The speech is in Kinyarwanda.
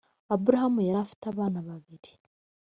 aburahamu yari afite abana babiri.